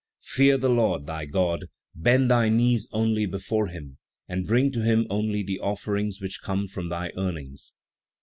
"Fear the Lord, thy God; bend thy knees only before Him and bring to Him only the offerings which come from thy earnings."